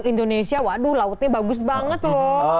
indonesia waduh lautnya bagus banget loh